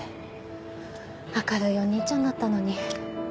明るいお兄ちゃんだったのに。